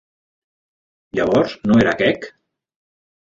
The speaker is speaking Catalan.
Llavors no era quec?